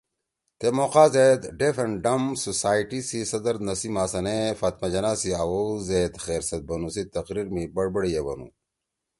تے موقع زید ڈیف اینڈ ڈمب سوسائٹی سی صدر نسیم حسن ئے فاطمہ جناح سی آوؤ زید خیر سیت بنُو سی تقریر می بڑبڑ ئے بنُو